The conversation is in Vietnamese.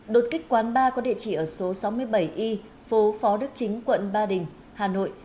đột kích quán ba có địa chỉ ở số sáu mươi bảy y phố phó đức chính quận ba đình hà nội